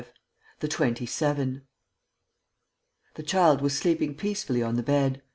THE TWENTY SEVEN The child was sleeping peacefully on the bed.